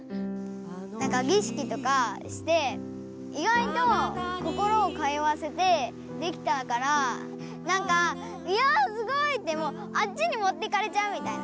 なんか儀式とかしていがいと心を通わせてできたからなんか「いやすごい！」ってもうあっちにもってかれちゃうみたいな。